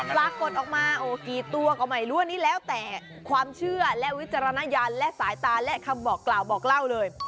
ปรากฏออกมาโอ้กี่ตัวก็ไม่รู้อันนี้แล้วแต่ความเชื่อและวิจารณญาณและสายตาและคำบอกกล่าวบอกเล่าเลย